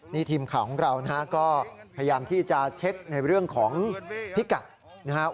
นี่ทีมข่าวของเรานะฮะก็พยายามที่จะเช็คในเรื่องของพิกัดนะครับ